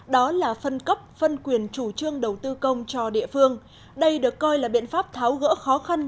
đó là phân cấp phân quyền chủ trương đầu tư công cho địa phương đây được coi là biện pháp tháo gỡ khó khăn